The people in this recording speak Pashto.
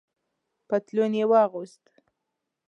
پتلون یې واغوست.